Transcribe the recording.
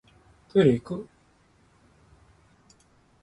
トイレいく